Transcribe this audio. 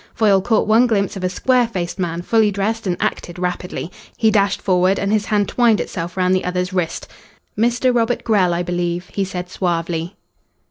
Foyle caught one glimpse of a square faced man fully dressed and acted rapidly. He dashed forward and his hand twined itself round the other's wrist. "Mr. Robert Grell, I believe," he said suavely.